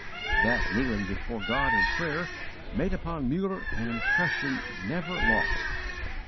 That kneeling before God in prayer made upon Muller an impression never lost.